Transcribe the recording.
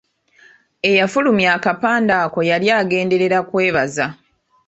Eyafulumya akapande ako yali agenderera kwebaza.